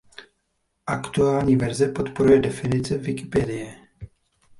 Aktuální verze podporuje definice Wikipedie.